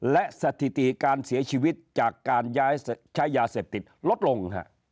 และสถิติการเสียชีวิตจากการใช้ยาเสพติดลดลง